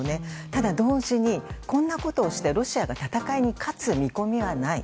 ただ、同時にこんなことをしてロシアが戦いに勝つ見込みはない。